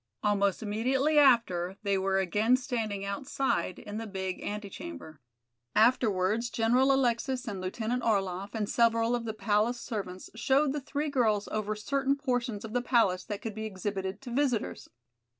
Almost immediately after they were again standing outside in the big antechamber. Afterwards General Alexis and Lieutenant Orlaff and several of the palace servants showed the three girls over certain portions of the palace that could be exhibited to visitors.